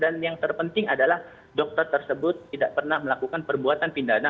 dan yang terpenting adalah dokter tersebut tidak pernah melakukan perbuatan pindahan